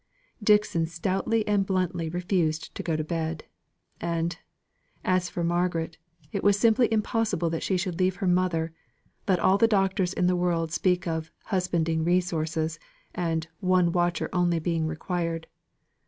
Dixon stoutly and bluntly refused to go to bed; and, as for Margaret, it was simply impossible that she should leave her mother, let all the doctors in the world speak of "husbanding resources," and "one watcher only being required."